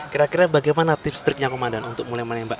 kira kira bagaimana tips triknya komandan untuk mulai menembak